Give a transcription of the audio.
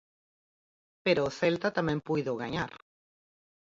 Pero o Celta tamén puido gañar.